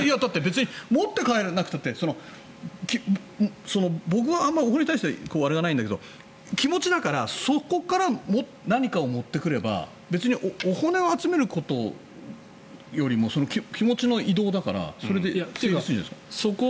持って帰らなくたって僕がお骨に対してあれはないけど気持ちだからそこから持ってくれば別にお骨を集めることよりも気持ちの移動だからそれでいいんじゃないですか。